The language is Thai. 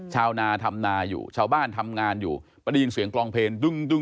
ชาวนาทำนาอยู่ชาวบ้านทำงานอยู่ก็ได้ยินเสียงกลองเพลงดึง